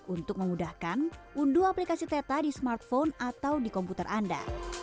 untuk memudahkan unduh aplikasi teta di smartphone atau di komputer anda